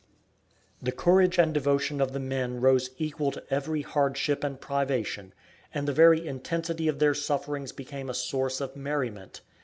The courage and devotion of the men rose equal to every hardship and privation, and the very intensity of their sufferings became a source of merriment.